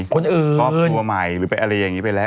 คนอื่นครอบครัวใหม่หรือไปอะไรอย่างนี้ไปแล้ว